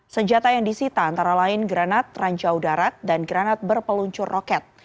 senjata yang disita antara lain granat rancau darat dan granat berpeluncur roket